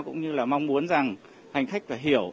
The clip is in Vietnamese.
cũng như là mong muốn rằng hành khách phải hiểu